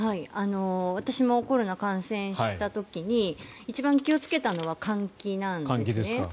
私もコロナに感染した時に一番気をつけたのは換気なんですね。